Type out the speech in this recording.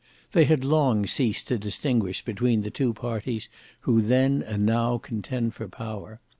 They had long ceased to distinguish between the two parties who then and now contend for power.